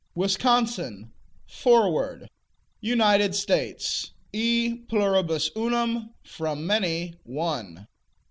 Wisconsin Forward. United States E pluribus unum: From many, one.